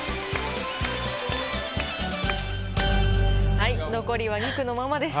はい残りは２句のままです。